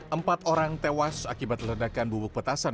empat orang tewas akibat ledakan bubuk petasan